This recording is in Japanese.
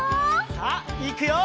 さあいくよ！